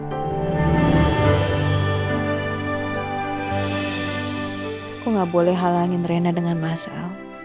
aku gak boleh halangin rena dengan mas al